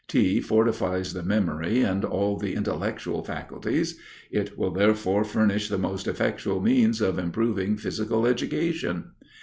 Tea fortifies the memory and all the intellectual faculties: it will therefore furnish the most effectual means of improving physical education.